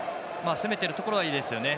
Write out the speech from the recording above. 攻めてるところはいいですよね。